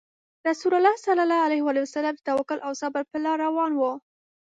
رسول الله صلى الله عليه وسلم د توکل او صبر په لار روان وو.